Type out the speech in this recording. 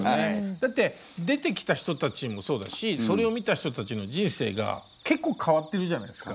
だって出てきた人たちもそうだしそれを見た人たちの人生が結構変わってるじゃないですか。